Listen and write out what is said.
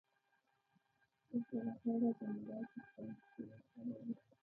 اوس به له خیره د مډال څښتن شې، ښه به وي.